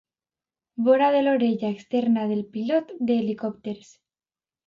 Vora de l'orella externa del pilot d'helicòpters.